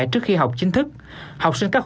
trước khi học chính thức